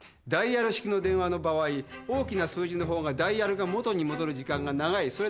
「ダイヤル式の電話の場合大きな数字の方がダイヤルが元に戻る時間が長い」